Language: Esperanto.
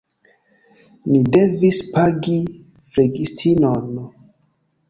Ni devis pagi flegistinon.